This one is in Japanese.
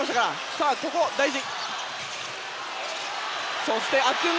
さあ、ここ大事。